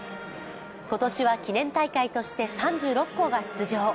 今年は記念大会として３６校が出場。